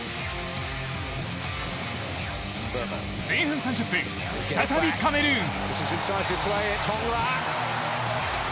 前半３０分、再びカメルーン。